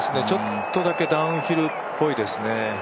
ちょっとだけダウンヒルっぽいですね。